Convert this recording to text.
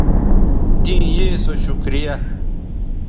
تیں یے سو شکریہ